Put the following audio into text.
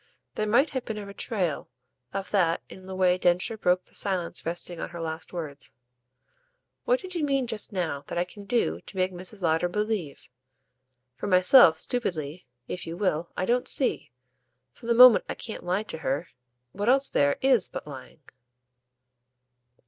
There might have been a betrayal of that in the way Densher broke the silence resting on her last words. "What did you mean just now that I can do to make Mrs. Lowder believe? For myself, stupidly, if you will, I don't see, from the moment I can't lie to her, what else there IS but lying."